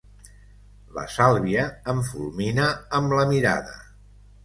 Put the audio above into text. La Sàlvia em fulmina amb la mirada.